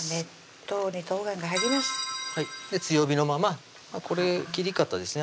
強火のままこれ切り方ですね